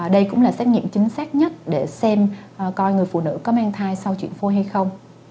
đây cũng là xét nghiệm chính xác nhất để xem coi người phụ nữ có mang thai sau chuyển phôi hay không